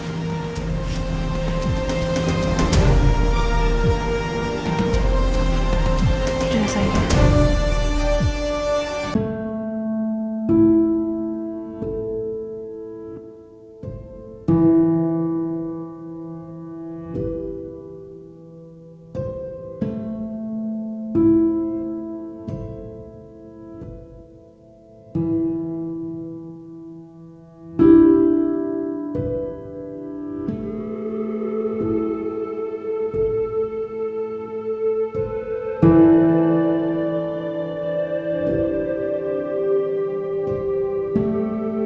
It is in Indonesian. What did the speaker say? itu sudah selesai